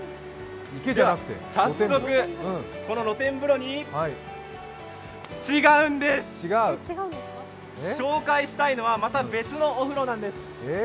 早速、この露天風呂に違うんです紹介したいのは、また別のお風呂なんです。